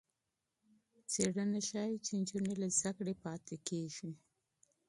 څېړنه ښيي چې نجونې له زده کړې پاتې کېږي.